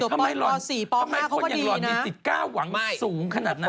ป๔ป๕เขาก็ดีนะทำไมคนอย่างร้อนมีสิทธิ์ก้าวหวังสูงขนาดนั้นล่ะ